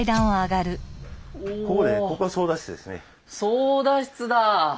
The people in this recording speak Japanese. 操だ室だ。